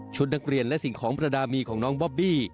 นักเรียนและสิ่งของประดามีของน้องบอบบี้